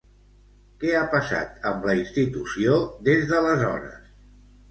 Què ha passat amb la institució des d'aleshores?